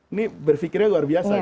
ini berfikirnya luar biasa